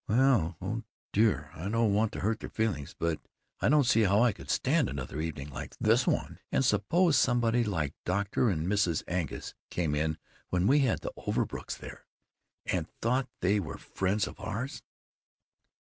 "Well.... Oh, dear.... I don't want to hurt their feelings. But I don't see how I could stand another evening like this one. And suppose somebody like Dr. and Mrs. Angus came in when we had the Overbrooks there, and thought they were friends of ours!"